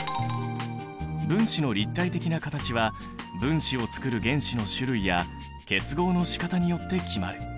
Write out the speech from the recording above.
分子の立体的な形は分子をつくる原子の種類や結合のしかたによって決まる。